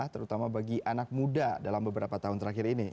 terutama bagi anak muda dalam beberapa tahun terakhir ini